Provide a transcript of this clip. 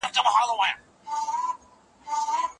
نړیوال کارپوهان هم ورته غوږ نیسي.